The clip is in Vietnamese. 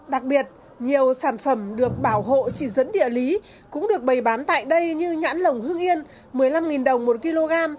đặc biệt nhiều sản phẩm được bảo hộ chỉ dẫn địa lý cũng được bày bán tại đây như nhãn lồng hương yên một mươi năm đồng một kg